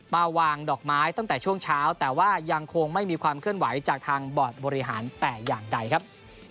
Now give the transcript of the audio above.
มาวางดอกไม้ตั้งแต่ช่วงเช้าแต่ว่ายังคงไม่มีความเคลื่อนไหวจากทางบอร์ดบริหารแต่อย่างใดครับ